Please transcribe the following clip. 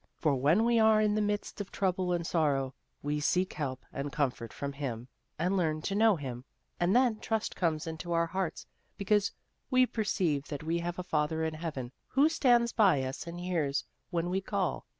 For when we are in the midst of trouble and sorrow, we seek help and comfort from Him, and learn to know Him, and then ti'ust comes into our hearts, because we perceive that we have a Father in heaven Who stands by us and hears when we call.